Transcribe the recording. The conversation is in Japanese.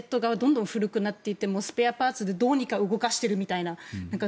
これ、どんどん古くなっていってスペアパーツでどうにか動かしてるみたいな。